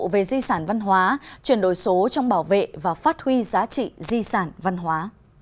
về di sản văn hóa chuyển đổi số trong bảo vệ và phát huy giá trị di sản văn hóa